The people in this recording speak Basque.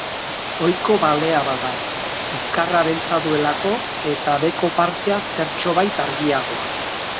Ohiko balea bat da, bizkarra beltza duelako eta beheko partea zertxobait argiagoa.